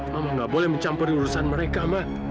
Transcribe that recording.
mama nggak boleh mencampuri urusan mereka ma